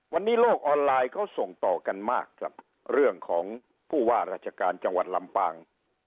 วันนี้โลกออนไลน์เขาส่งต่อกันมากครับเรื่องของผู้ว่าราชการจังหวัดลำปาง